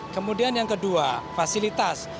kemudian yang kedua fasilitas